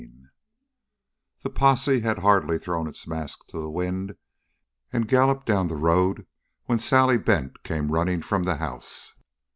10 The posse had hardly thrown its masks to the wind and galloped down the road when Sally Bent came running from the house.